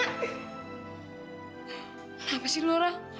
kenapa sih lora